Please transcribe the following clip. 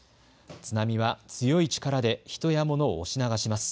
津波は強い力で人や物を押し流します。